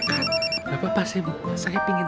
enggak enggak tak contri an